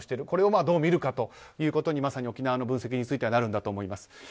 これをどう見るかということにまさに沖縄の分析についてはなるんだと思います。